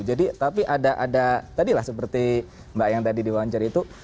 jadi tapi ada ada tadilah seperti mbak yang tadi diwawancar itu